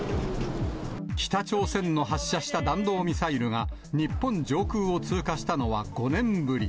北朝鮮の発射した弾道ミサイルが、日本上空を通過したのは５年ぶり。